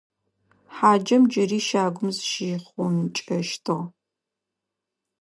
Хьаджэм джыри щагум зыщихъункӀэщтыгъ.